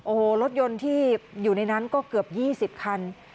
โอ้โหรถยนต์ที่อยู่ในนั้นก็เกือบ๒๐คัน